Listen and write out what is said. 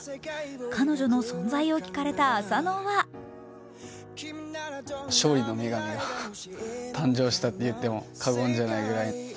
彼女の存在を聞かれた浅野は勝利の女神が誕生したといっても過言ではないくらい。